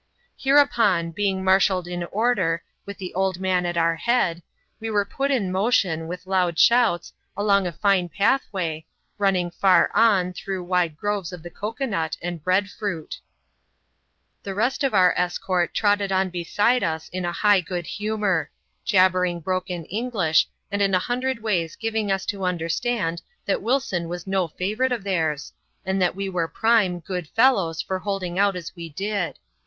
HermipoB, being marshalled in order, yntYi. like c\<^ Tsv^asEi ^ I 2 116 ADVENTURES IN THE SOUTH SEAS. [chap. xxx. our head, we were put in motion, with loud shouts, along a fine pathway, running far on, through wide groves of the cocoa nut and bread fruit. The rest of our escort trotted on beside us in high good hu mour ; jabbering broken English, and in a hundred ways giving us to understand that Wilson was no favourite of theirs, and that we were prime, good fellows for holding out as we did.